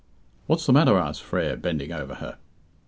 "What's the matter?" asked Frere, bending over her.